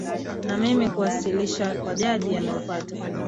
na mimi kuwasilisha kwa jaji ameupata